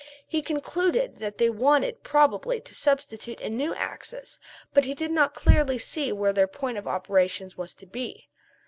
He concluded that they wanted probably to substitute a new axis, but he did not clearly see where their point of operations was to be.